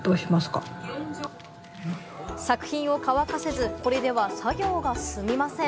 作品を乾かせず、これでは作業が進みません。